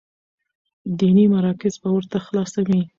ديني مراکز به ورته خلاصوي،